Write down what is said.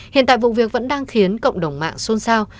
hiện tại vụ việc vẫn đang khiến cộng đồng mạng xôn xao